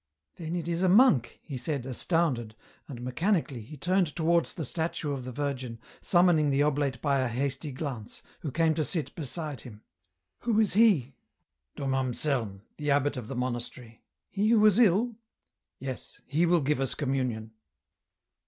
" Then it is a monk," he said, astounded ; and, mechani cally, he turned towards the statue of the Virgin, summoning the oblate by a hasty glance, who came to sit beside him. " Who is he ?"" Dom Anselm, the abbot of the monastery. " He who was ill ?" "Yes, he will give us communion.